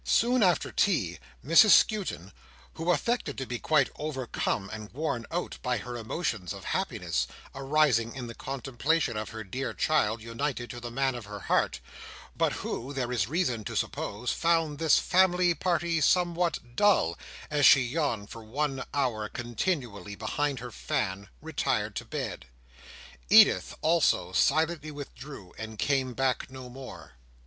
Soon after tea, Mrs Skewton, who affected to be quite overcome and worn out by her emotions of happiness, arising in the contemplation of her dear child united to the man of her heart, but who, there is reason to suppose, found this family party somewhat dull, as she yawned for one hour continually behind her fan, retired to bed. Edith, also, silently withdrew and came back no more.